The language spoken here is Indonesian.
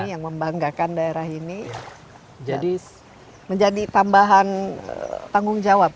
yang membanggakan daerah ini menjadi tambahan tanggung jawab